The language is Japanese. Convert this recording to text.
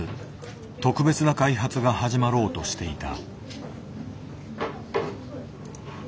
特別な開発が始まろうとしていた。